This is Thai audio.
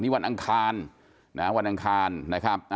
วันอังคารวันอังคารนะครับ